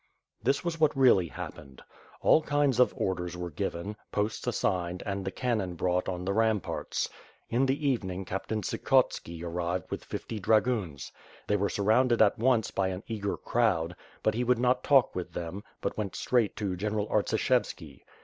This was what really happened. All kinds of orders were given, posts assigned and the cannon brought on the ram Sarts. In the evening Captain Tsikhotski arrived with fifty ragoons. They were surrounded at once by an eager crowd, but he would not talk with them, but went straight to General Artsishevski.